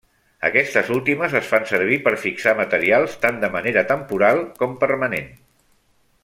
Aquestes últimes es fan servir per fixar materials tant de manera temporal com permanent.